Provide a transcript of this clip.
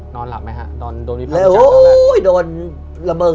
นอนหลับมั้ยครับ